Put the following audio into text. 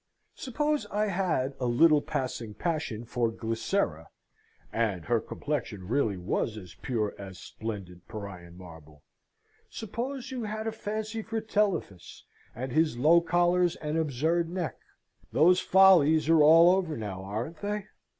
Suppose I had a little passing passion for Glycera (and her complexion really was as pure as splendent Parian marble); suppose you had a fancy for Telephus, and his low collars and absurd neck; those follies are all over now, aren't they?